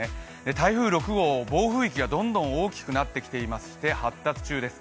台風６号、暴風域がどんどん大きくなっていて発達中です。